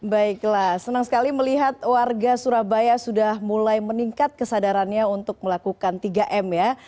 baiklah senang sekali melihat warga surabaya sudah mulai meningkat kesadarannya untuk melakukan tiga m ya